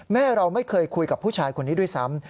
แม่เราไม่เคยคุยกับผู้ชายคนนี้ด้วยซ้ำ